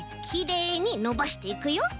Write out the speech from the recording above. きれいにのばしていくよ。